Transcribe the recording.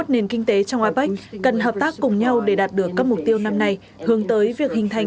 hai mươi một nền kinh tế trong apec cần hợp tác cùng nhau để đạt được các mục tiêu năm nay hướng tới việc hình thành